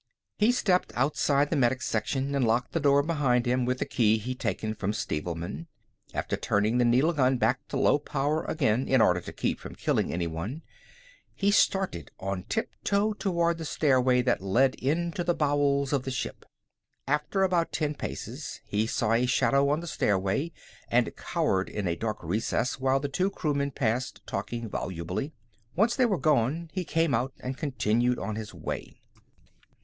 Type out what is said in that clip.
He stepped outside the Medic Section and locked the door behind him with the key he'd taken from Stevelman. After turning the needle gun back to low power again in order to keep from killing anyone, he started on tiptoe toward the stairway that led into the bowels of the ship. After about ten paces, he saw a shadow on the stairway, and cowered in a dark recess while two crewmen passed, talking volubly. Once they were gone, he came out and continued on his way.